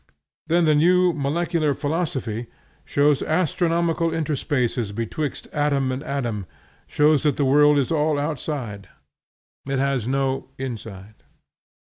Then the new molecular philosophy shows astronomical interspaces betwixt atom and atom, shows that the world is all outside; it has no inside.